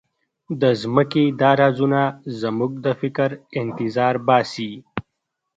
د ځمکې دا رازونه زموږ د فکر انتظار باسي.